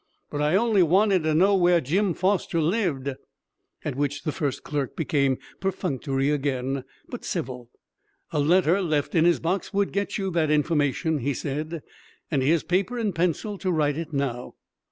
But I only wanted to know where Jim Foster lived." At which the first clerk became perfunctory again, but civil. "A letter left in his box would get you that information," he said, "and here's paper and pencil to write it now."